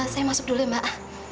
saya masuk dulu mbak